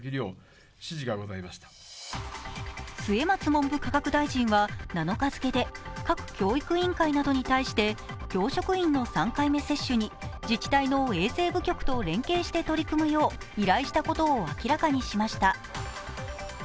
松文部科学大臣は７日付で各教育委員会などに対して教職員の３回目接種に自治体の衛生部局と連携して取り組むよう依頼したことを明らかにしました。